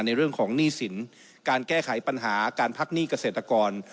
ในเรื่องของหนี้สินการแก้ไขปัญหาการพักหนี้เกษตรกร